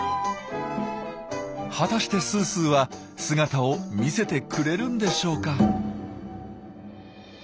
果たしてすーすーは姿を見せてくれるんでしょうか？